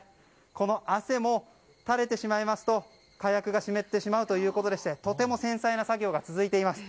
この汗も、垂れてしまいますと火薬が湿ってしまうということでとても繊細な作業が続いています。